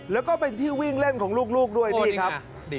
แล้วก็เป็นที่วิ่งเล่นของลูกด้วยนี่ครับ